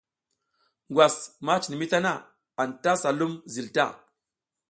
Ngwas ma cin mi tana, anta sa lum zil ta.